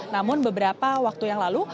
namun beberapa waktu yang lalu